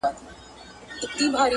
د استعمارګر د کلتور بشپړ واکمني نه ده